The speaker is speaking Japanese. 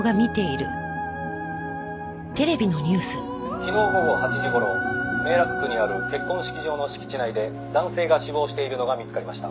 「昨日午後８時頃明楽区にある結婚式場の敷地内で男性が死亡しているのが見つかりました」